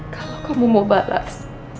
kalau kamu mau balas